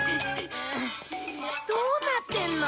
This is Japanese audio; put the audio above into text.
どうなってんの？